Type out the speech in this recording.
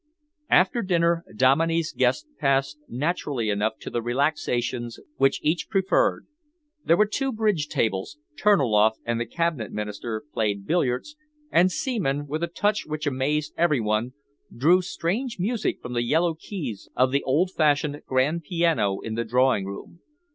After dinner, Dominey's guests passed naturally enough to the relaxations which each preferred. There were two bridge tables, Terniloff and the Cabinet Minister played billiards, and Seaman, with a touch which amazed every one, drew strange music from the yellow keys of the old fashioned grand piano in the drawing room.